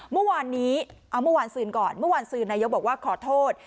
เมื่อวานนี้เอาเมื่อวานซืนก่อนเมื่อวานซืนนายกบอกว่าขอโทษ